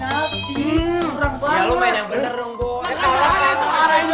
gak ada yang bener dong boleh gak